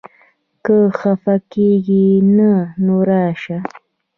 که خپه کېږې نه؛ نو راشه!